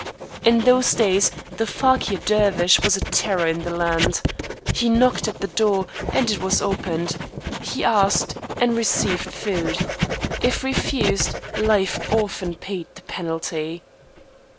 In those days the Fakir Dervish was a terror in the land. He knocked at the door, and it was opened. He asked, and received food. If refused, life often paid the penalty.